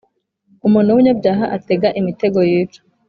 ’umuntu w’umunyabyaha atega imitego yica